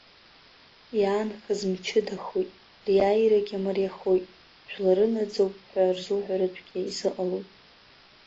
Иаанхаз мчыдахоит, риааирагьы мариахоит, жәлары наӡоуп ҳәа рзуҳәартәгьы изыҟалом.